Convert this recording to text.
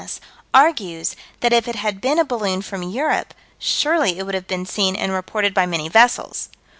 S., argues that if it had been a balloon from Europe, surely it would have been seen and reported by many vessels.